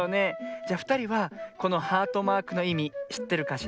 じゃふたりはこのハートマークのいみしってるかしら？